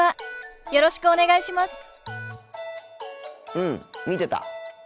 うん見てた。